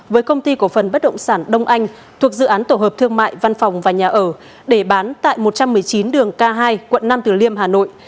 với công ty cổ phần bất động sản đông anh thuộc dự án tổ hợp thương mại văn phòng và nhà ở để bán tại một trăm một mươi chín đường k hai quận năm từ liêm hà nội